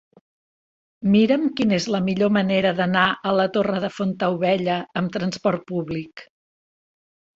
Mira'm quina és la millor manera d'anar a la Torre de Fontaubella amb trasport públic.